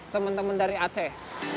teman teman dari aceh